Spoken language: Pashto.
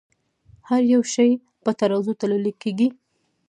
هر يو شے پۀ ترازو تللے کيږې